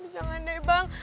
jangan deh bang